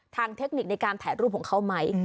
เทคนิคในการถ่ายรูปของเขาไหม